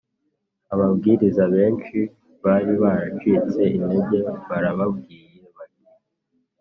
Ababwiriza benshi bari baracitse intege barababwiye bati